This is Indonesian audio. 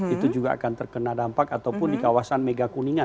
itu juga akan terkena dampak ataupun di kawasan megakuningan